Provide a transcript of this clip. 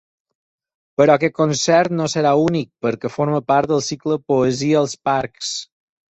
Però aquest concert no serà únic perquè forma part del cicle Poesia als parcs.